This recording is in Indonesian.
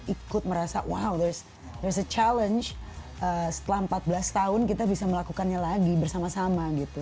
ikut merasa wow challenge setelah empat belas tahun kita bisa melakukannya lagi bersama sama gitu